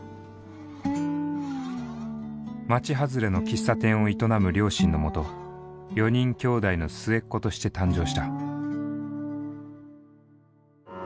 町はずれの喫茶店を営む両親のもと４人兄弟の末っ子として誕生した。